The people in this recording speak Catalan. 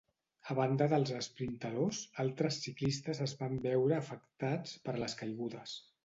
A banda dels esprintadors, altres ciclistes es van veure afectats per les caigudes.